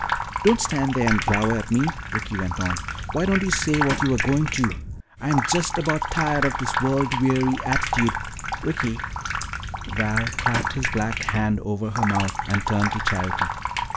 "Don't stand there and glower at me," Ricky went on. "Why don't you say what you were going to? I'm just about tired of this world weary attitude " "Ricky!" Val clapped his black hand over her mouth and turned to Charity.